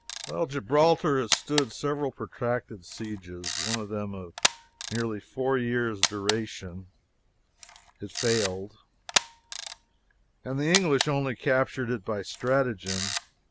Gibraltar has stood several protracted sieges, one of them of nearly four years' duration (it failed), and the English only captured it by stratagem.